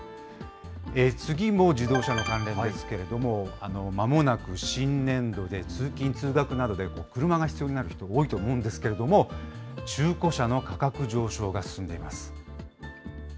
次も自動車の関連ですけれども、まもなく新年度で、通勤・通学などで車が必要になる人、多いと思うんですけれども、中古車の価格上昇が進んでいます。